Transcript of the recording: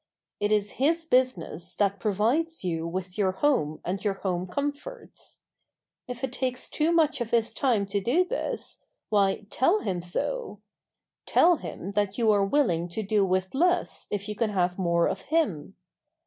It is his business that provides you with your home and your home comforts. If it takes too much of his time to do this, why tell him so. Tell him that you are willing to do with less if you can have more of him.